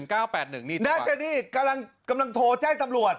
แล้วร้านเจนี่กำลังโทรแจ้งตำรวจ